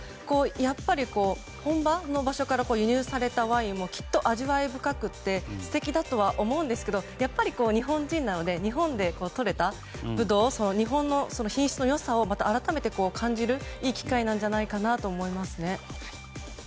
やっぱり本場の場所から輸入されたワインもきっと味わい深くて素敵だとは思うんですけどやっぱり、日本人なので日本でとれたブドウを日本の品質の良さを改めて感じるいい機会なんじゃないかなと思いますね。